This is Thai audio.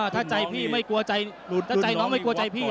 ถ้าใจพี่ไม่กลัวใจพี่แล้ว